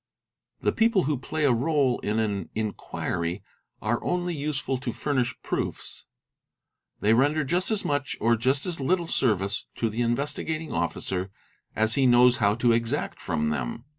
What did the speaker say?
The people who 30 ' THE INVESTIGATING OFFICER play a réle in an inquiry are only useful to furnish proofs; they render | just as much or just as little service to the Investigating Officer as he | knows how to exact from them.